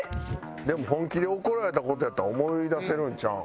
でも本気で怒られた事やったら思い出せるんちゃうん？